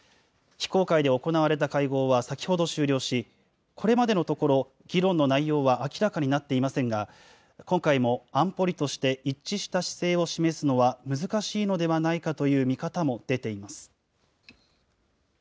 非公開で行われた会合は先ほど終了し、これまでのところ、議論の内容は明らかになっていませんが、今回も安保理として一致した姿勢を示すのは、難しいのではないかという見方も出ています。